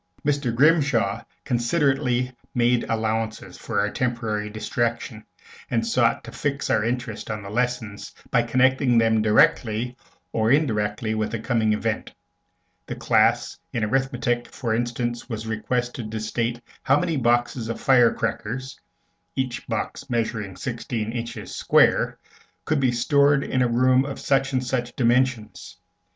Mr. Grimshaw considerately made allowances for our temporary distraction, and sought to fix our interest on the lessons by connecting them directly or indirectly with the coming Event. The class in arithmetic, for instance, was requested to state how many boxes of fire crackers, each box measuring sixteen inches square, could be stored in a room of such and such dimensions.